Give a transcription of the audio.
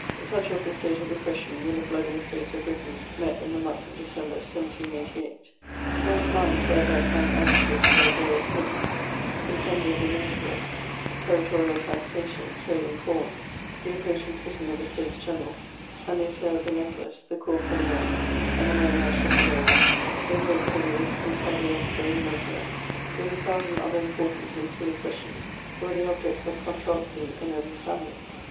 Such was the state of the question when the bloody Estates of Brittany met in the month of December, 1788. Men's minds were at that time agitated by various things : the ^sseml&ly of the Notables, territorial taxation, trade in com, the approaching sitting of the States General, and the affair of the necklace, the cour plemere, and the Manage de Figaro, the great bailiwicks, and Cagliostro and Mesmer, with a thousand other important and silly questions, were the objects of con troversy in every family.